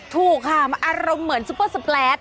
ถูกค่ะอารมณ์เหมือนซุปเปอร์สแปรด